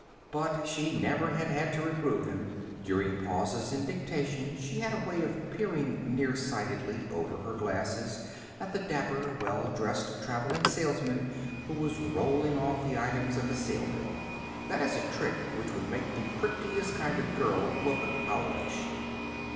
But she never had had to reprove them. During pauses in dictation she had a way of peering near sightedly, over her glasses at the dapper, well dressed traveling salesman who was rolling off the items on his sale bill. That is a trick which would make the prettiest kind of a girl look owlish.